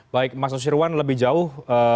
baik mas nusirwan lebih jauh